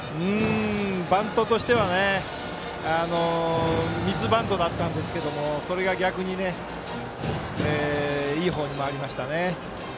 バントとしてはミスバントだったんですけどそれが逆にいい方に回りましたね。